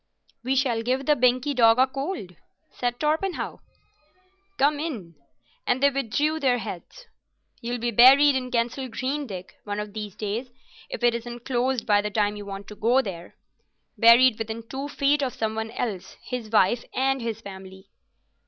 "We shall give the Binkie dog a cold," said Torpenhow. "Come in," and they withdrew their heads. "You'll be buried in Kensal Green, Dick, one of these days, if it isn't closed by the time you want to go there—buried within two feet of some one else, his wife and his family."